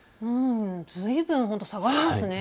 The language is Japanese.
ずいぶん下がりますね。